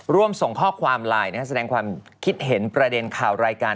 ร่วมส่งข้อความไลน์แสดงความคิดเห็นประเด็นข่าวรายการ